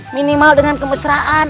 minimal dengan kebesaran